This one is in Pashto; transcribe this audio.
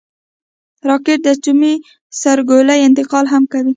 راکټ د اټومي سرګلولې انتقال هم کوي